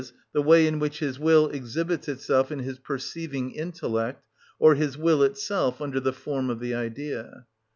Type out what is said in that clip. _, the way in which his will exhibits itself in his perceiving intellect, or his will itself under the form of the idea.